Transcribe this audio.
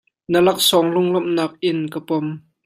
Na laksawng lunglomhnak in ka pom.